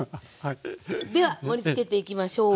では盛りつけていきましょう。